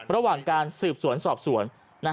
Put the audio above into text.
ระหว่างการสืบสวนสอบสวน